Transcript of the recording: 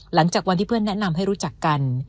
หลังจากวันที่เพื่อนแนะนำให้รู้จักกัน